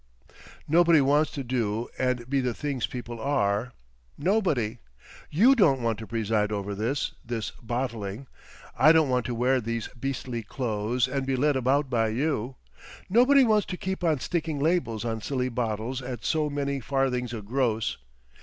"Nobody wants to do and be the things people are—nobody. YOU don't want to preside over this—this bottling; I don't want to wear these beastly clothes and be led about by you; nobody wants to keep on sticking labels on silly bottles at so many farthings a gross.